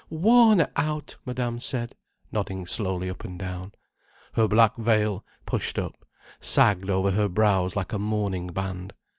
Worn out!" Madame said, nodding slowly up and down. Her black veil, pushed up, sagged over her brows like a mourning band.